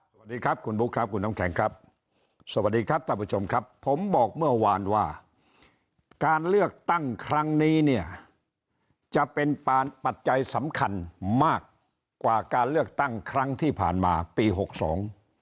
สวัสดีครับคุณบุ๊คครับคุณน้ำแข็งครับสวัสดีครับท่านผู้ชมครับผมบอกเมื่อวานว่าการเลือกตั้งครั้งนี้เนี่ยจะเป็นปานปัจจัยสำคัญมากกว่าการเลือกตั้งครั้งที่ผ่านมาปีหกสอง